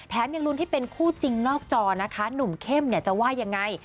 ยังลุ้นให้เป็นคู่จริงนอกจอนะคะหนุ่มเข้มเนี่ยจะว่ายังไง